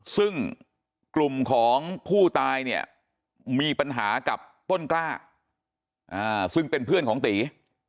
ซึ่งกลุ่มของผู้ตายเนี่ยมีปัญหากับต้นกล้าซึ่งเป็นเพื่อนของตี